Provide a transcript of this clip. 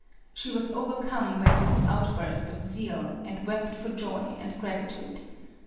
She was overcome by this outburst of zeal, and wept for joy and gratitude.